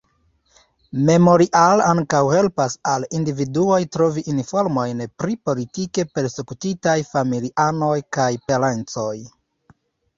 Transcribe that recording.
Memorial ankaŭ helpas al individuoj trovi informojn pri politike persekutitaj familianoj kaj parencoj.